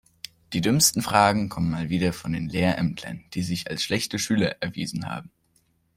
Die dümmsten Fragen kommen mal wieder von den Lehrämtlern, die sich als schlechte Schüler erwiesen haben.